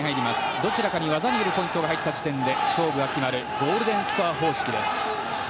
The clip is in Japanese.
どちらかに技によるポイントが入った時点で勝負が決まるゴールデンスコア方式です。